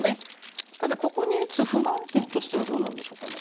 ただここに打つ不満点としてはどうなんでしょうかね。